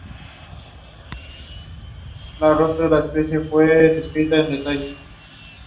La elección marcó el final de una era de presidentes socialdemócratas.